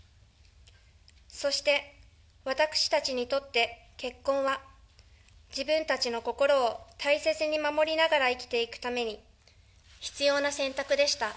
そして私たちにとって、結婚は自分たちの心を大切に守りながら生きていくために必要な選択でした。